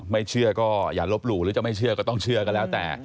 ไม่เชื่อก็อย่าลบหลู่หรือจะไม่เชื่อก็ต้องเชื่อก็แล้วแต่